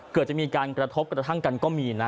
เกิดจะมีการกระทบกระทั่งกันก็มีนะ